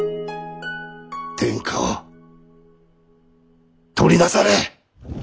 天下を取りなされ！